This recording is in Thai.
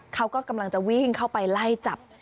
เขาก็กำลังจะวิ่งเข้าไปไล่จับ